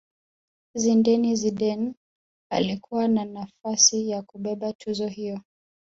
zinedine zidane alikuwa na nafasi ya kubeba tuzo hiyo